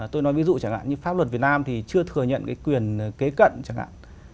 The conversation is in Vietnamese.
tôi nói ví dụ chẳng hạn như pháp luật việt nam thì chưa thừa nhận cái quyền kế cận chẳng hạn